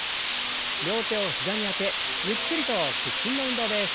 両手を膝にあてゆっくりと屈伸の運動です。